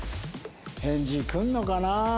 返事来るのかなあ？